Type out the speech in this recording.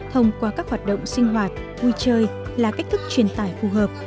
thông qua các hoạt động sinh hoạt vui chơi là cách thức truyền tải phù hợp